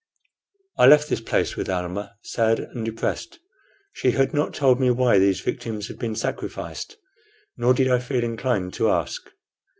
I left this place with Almah, sad and depressed. She had not told me why these victims had been sacrificed, nor did I feel inclined to ask.